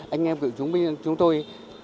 anh em gửi chúng mình chúng tôi